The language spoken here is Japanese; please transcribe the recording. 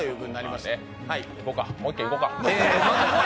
まぁ、もう１軒いこうか。